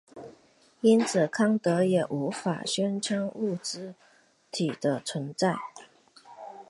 因此康德也无法宣称物自体的存在。